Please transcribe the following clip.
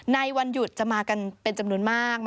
ในวันหยุดจะมากันเป็นจำนวนมาก